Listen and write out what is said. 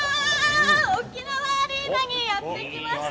沖縄アリーナにやって来ました。